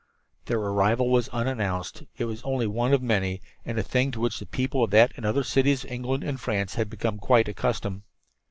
Their arrival was unannounced. It was only one of many, and a thing to which the people of that and other cities of England and France had become quite accustomed.